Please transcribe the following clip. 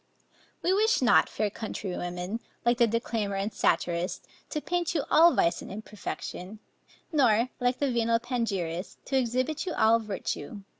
We wish not, fair countrywomen, like the declaimer and satirist, to paint you all vice and imperfection, nor, like the venal panegyrist, to exhibit you all virtue.